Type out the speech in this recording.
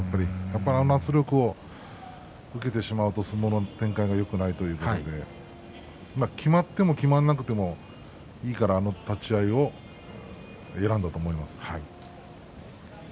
玉鷲の圧力を受けてしまうと相撲の展開がよくないということできまってもきまらなくてもいいから、あの立ち合いで選んだと思います。